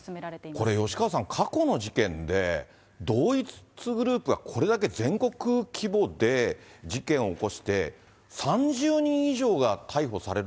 これ、吉川さん、過去の事件で、同一グループが、これだけ全国規模で事件を起こして、３０人以上が逮捕される